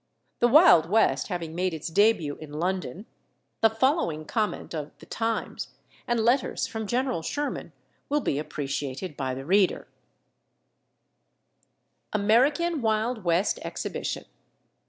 The Wild West having made its début in London, the following comment of the Times and letters from General Sherman will be appreciated by the reader: AMERICAN WILD WEST EXHIBITION.